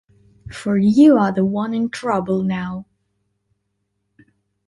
For you are the one in trouble now!